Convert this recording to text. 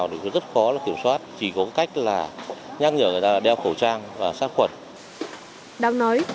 thì cũng muốn là khi mà mình đi lễ thì mình muốn là tỏ cái lòng thành với cả bề trên ấy